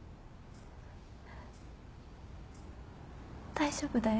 大丈夫だよ。